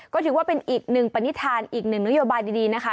ก็ถือว่าเป็นอีกหนึ่งปณิธานอีกหนึ่งนโยบายดีนะคะ